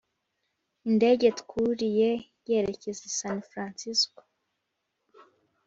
indege twuriye yerekezaga i san francisco.